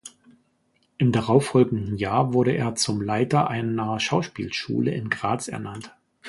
Im darauf folgenden Jahr wurde er zum Leiter einer Schauspielschule in Graz ernannt.